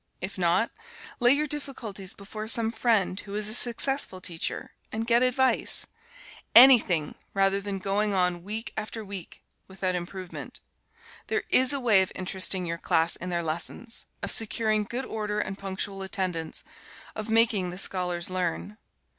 If not, lay your difficulties before some friend who is a successful teacher, and get advice. Anything, rather than going on, week after week, without improvement. There is a way of interesting your class in their lessons, of securing good order and punctual attendance, of making the scholars learn.